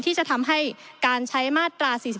ที่จะทำให้การใช้มาตรา๔๔